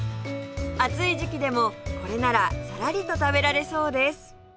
暑い時期でもこれならサラリと食べられそうです